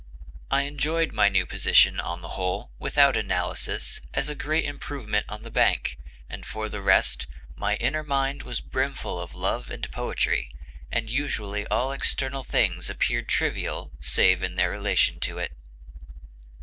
I enjoyed my new position, on the whole, without analysis, as a great improvement on the bank; and for the rest, my inner mind was brimful of love and poetry, and usually all external things appeared trivial save in their relation to it."